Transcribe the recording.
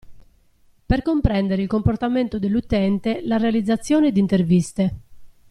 Per comprendere il comportamento dell'utente la realizzazione di interviste.